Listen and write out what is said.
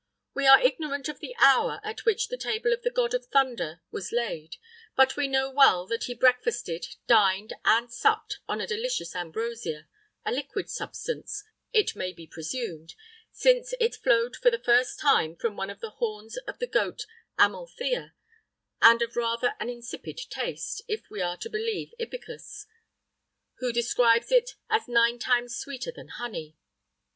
We are ignorant of the hour at which the table of the god of thunder was laid; but we know well that he breakfasted, dined, and supped on a delicious ambrosia a liquid substance, it may be presumed, since it flowed for the first time from one of the horns of the goat Amalthæa, and of rather an insipid taste, if we are to believe Ibicus,[III 1] who describes it as nine times sweeter than honey.